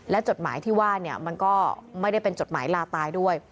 จดหมายที่ว่ามันก็ไม่ได้เป็นจดหมายลาตายด้วย